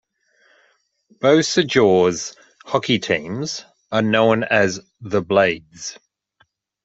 Beausejour's hockey teams are known as the Blades.